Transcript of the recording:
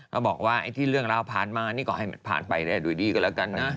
เขาบอกว่าไอ้ที่เรื่องราวผ่านมานี่ก็ให้มันผ่านไปได้โดยดีก็แล้วกันนะ